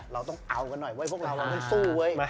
เราต้องเอากันหน่อยเว้ยพวกเราเราต้องสู้เว้ย